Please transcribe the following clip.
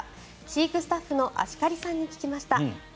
飼育スタッフの芦刈さんに聞きました。